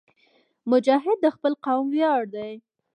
مجاهد د خپل قوم ویاړ دی.